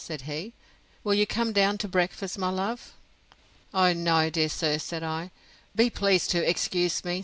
Said he, Will you come down to breakfast, my love? O no, dear sir, said I; be pleased to excuse me!